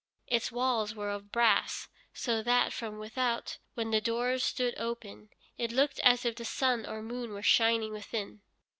Its walls were of brass, so that from without, when the doors stood open, it looked as if the sun or moon were shining within.